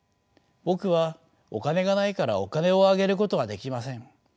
僕はお金がないからお金をあげることはできません。